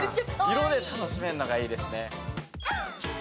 色で楽しめるのがいいですね。